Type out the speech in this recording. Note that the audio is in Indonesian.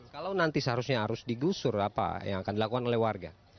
kalau nanti seharusnya harus digusur apa yang akan dilakukan oleh warga